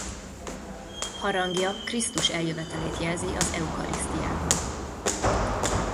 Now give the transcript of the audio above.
Harangja Krisztus eljövetelét jelzi az eucharisztiában.